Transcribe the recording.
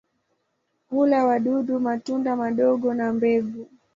Hula wadudu, matunda madogo na mbegu.